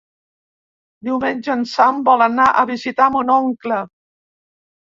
Diumenge en Sam vol anar a visitar mon oncle.